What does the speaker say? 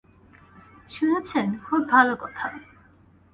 শুনেছেন, খুব ভালো কথা।